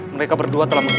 mereka berdua telah menghilang